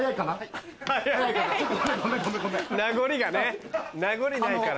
名残がね名残ないから。